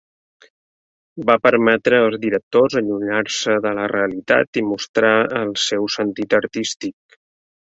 Va permetre als directors allunyar-se de la realitat i mostrar el seu sentit artístic.